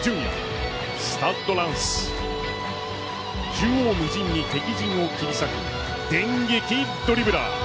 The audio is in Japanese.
縦横無尽に敵陣を切り裂く電撃ドリブラー。